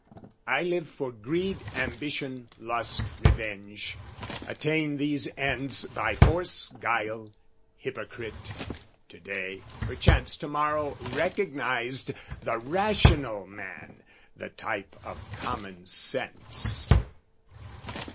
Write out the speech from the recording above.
"I live for greed, ambition, lust, revenge; "Attain these ends by force, guile: hypocrite, "To day, perchance to morrow recognised "The rational man, the type of commonsense."